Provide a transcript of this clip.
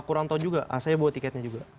kurang tahu juga saya bawa tiketnya juga